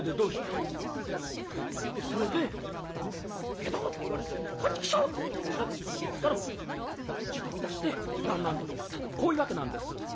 「いやそれで『外道！』って言われてこん畜生って思って腹立ったもんですからうち飛び出して旦那んとこへ来たとこういうわけなんです」。